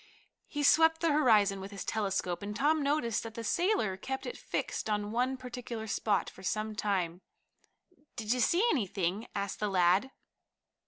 He swept the horizon with his telescope, and Tom noticed that the sailor kept it fixed on one particular spot for some time. "Did you see anything?" asked the lad.